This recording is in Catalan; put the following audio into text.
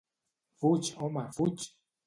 Fuig, home, fuig!